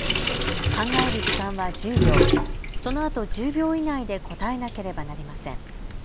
考える時間は１０秒、そのあと１０秒以内で答えなければなりません。